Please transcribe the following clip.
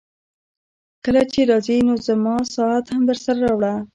کله چي راځې نو زما ساعت هم درسره راوړه.